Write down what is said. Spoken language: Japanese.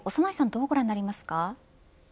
どうご覧になりますか。